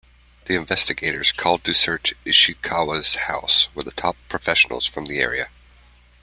The investigators called to search Ishikawa's house were the top professionals from the area.